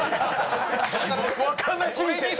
わかんなすぎて。